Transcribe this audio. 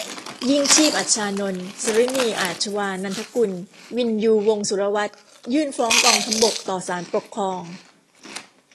ยิ่งชีพ อัชฌานนท์ สฤณี อาชวานันทกุล วิญญู วงศ์สุรวัฒน์ ยื่นฟ้องกองทัพบกต่อศาลปกครอง